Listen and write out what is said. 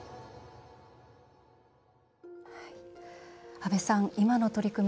阿部さん、今の取り組み